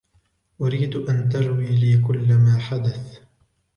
أريد أن تروي لي كلّ ما حدث.